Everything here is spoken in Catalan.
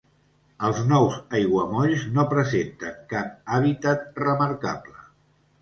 Els nous aiguamolls no presenten cap hàbitat remarcable.